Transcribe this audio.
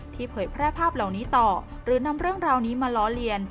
เผยแพร่ภาพเหล่านี้ต่อหรือนำเรื่องราวนี้มาล้อเลียน